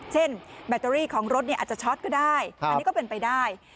เช่นแบตเตอรี่ของรถเนี้ยอาจจะชอตก็ได้ครับอันนี้ก็เป็นไปได้